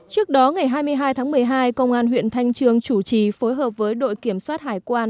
trước đó ngày hai mươi hai tháng một mươi hai công an huyện thanh trương chủ trì phối hợp với đội kiểm soát hải quan